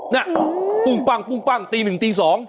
น่ะปุ้งปังตีหนึ่งตีสอง